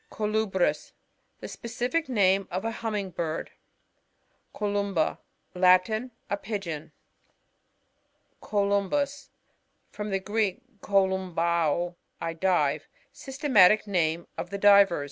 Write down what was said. CoLUBRis. — The specific name of a Humming Bird. CoLUMBA. — ^Latin. A Pigeon. CoLYMBUs. — From the Greek, kohini' baot I dive. Systematic name of the Diver?